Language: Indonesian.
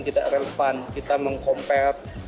tidak relevan kita meng comparet